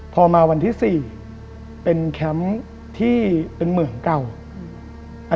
พอมาวันที่สี่เป็นแคมป์ที่เป็นเหมืองเก่าอืม